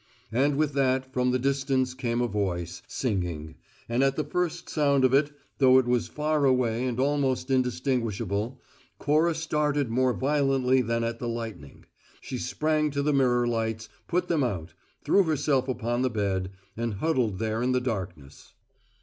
And with that, from the distance came a voice, singing; and at the first sound of it, though it was far away and almost indistinguishable, Cora started more violently than at the lightning; she sprang to the mirror lights, put them out; threw herself upon the bed, and huddled there in the darkness.